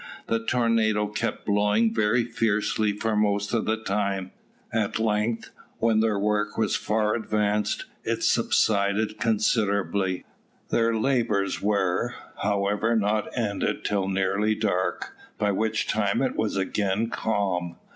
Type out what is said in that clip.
The tornado kept blowing very fiercely for most of the time; at length, when their work was far advanced, it subsided considerably. Their labours were, however, not ended till nearly dark, by which time it was again calm.